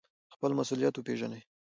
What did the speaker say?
خپل مسوولیت وپیژنئ